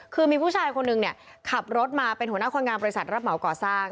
คือมีผู้ชายคนนึงเนี่ยขับรถมาเป็นหัวหน้าคนงานบริษัทรับเหมาก่อสร้าง